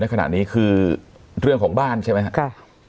ขณะนี้คือเรื่องของบ้านใช่ไหมครับ